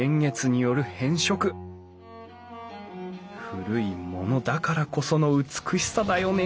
古いものだからこその美しさだよね